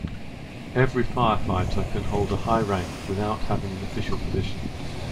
Every firefighter can hold a high rank without having an official position.